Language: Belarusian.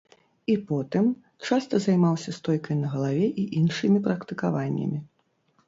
І потым часта займаўся стойкай на галаве і іншымі практыкаваннямі.